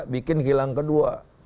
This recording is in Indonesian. bikin hilang kedua